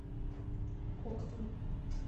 Коктын...